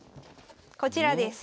こちらです。